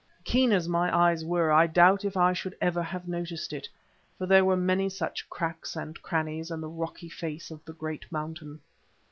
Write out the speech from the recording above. Keen as my eyes were, I doubt if I should ever have noticed it, for there were many such cracks and crannies in the rocky face of the great mountain.